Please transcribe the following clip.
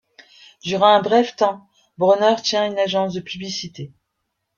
Durant un bref temps, Bronner tient une agence de publicité.